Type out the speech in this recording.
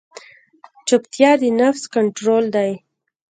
چپتیا، د نفس کنټرول دی.